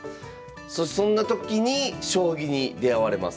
そんな時に将棋に出会われます。